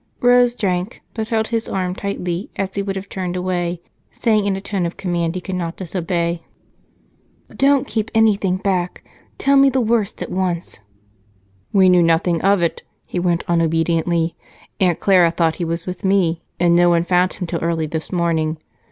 Rose drank, but held his arm tightly, as he would have turned away, saying in a tone of command he could not disobey: "Don't keep anything back tell me the worst at once." "We knew nothing of it," he went on obediently. "Aunt Clara thought he was with me, and no one found him till early this morning.